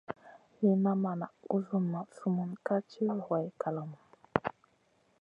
Lìna ma na guzumah sumun ka ci way kalamu.